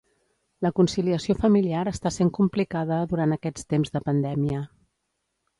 La conciliació familiar està sent complicada durant aquests temps de pandèmia.